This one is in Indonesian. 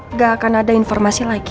nggak akan ada informasi lagi